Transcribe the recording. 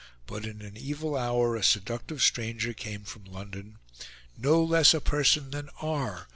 But in an evil hour a seductive stranger came from London; no less a person than R.